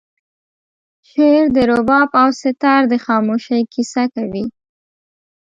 شعر د رباب او سیتار د خاموشۍ کیسه کوي